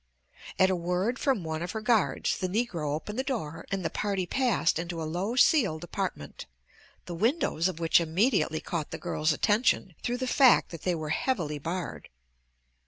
At a word from one of her guards the Negro opened the door and the party passed into a low ceiled apartment, the windows of which immediately caught the girl's attention through the fact that they were heavily barred.